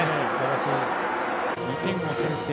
２点を先制。